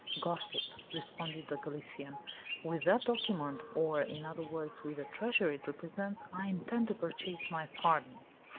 "Gossip!" responded the Galician, "with that document, or, in other words, with the treasure it represents, I intend to purchase my pardon.